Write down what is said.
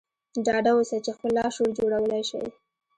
ډاډه اوسئ چې خپل لاشعور جوړولای شئ